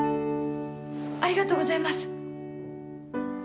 ありがとうございます！